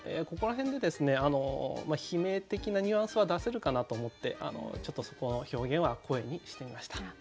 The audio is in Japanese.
ここら辺で悲鳴的なニュアンスは出せるかなと思ってちょっとそこの表現は「声」にしてみました。